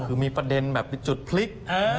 คือมีประเด็นแบบจุดพลิก